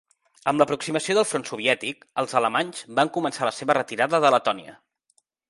Amb l'aproximació del front soviètic, els alemanys van començar la seva retirada de Letònia.